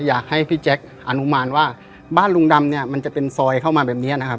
อยากให้พี่แจ๊คอนุมานว่าบ้านลุงดำเนี่ยมันจะเป็นซอยเข้ามาแบบนี้นะครับ